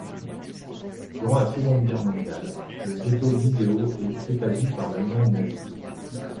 Durant la Seconde Guerre mondiale, le ghetto d'Iseo est rétabli par l'Allemagne nazie.